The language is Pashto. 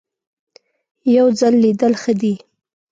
یو ځل لیدل ښه دي .